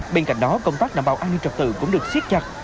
bên cạnh đó công tác đảm bảo an ninh trật tự cũng được siết chặt